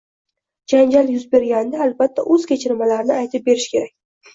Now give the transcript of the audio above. Janjal yuz berganida albatta o‘z kechinmalarini aytib berish kerak